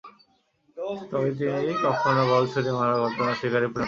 তবে, তিনি কখনো বল ছুঁড়ে মারার ঘটনার শিকারে পরিণত হননি।